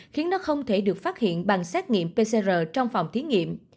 khiến nó không thể được phát hiện bằng xét nghiệm pcr trong phòng thí nghiệm